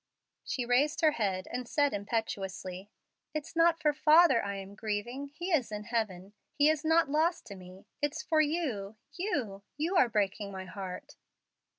She raised her head and said, impetuously, "It's not for father I am grieving. He is in heaven he is not lost to me. It's for you you. You are breaking my heart."